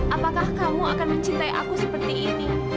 apakah kamu akan mencintai aku seperti ini